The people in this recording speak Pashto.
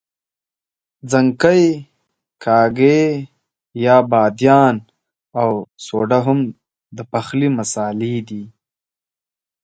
ځڼکۍ، کاږه یا بادیان او سوډا هم د پخلي مسالې دي.